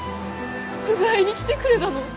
迎えに来てくれだの？